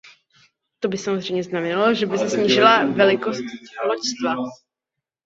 To by samozřejmě znamenalo, že by se snížila velikost loďstva.